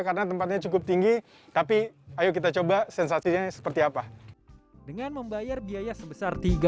karena tempatnya cukup tinggi tapi ayo kita coba sensasinya seperti apa dengan membayar biaya sebesar